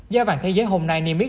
giá vàng thế giới hôm nay niêm yết